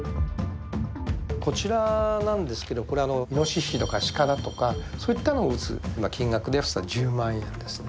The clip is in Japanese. こちらなんですけど、イノシシだとかシカだとか、そういったものを撃つ金額で１０万円ですね。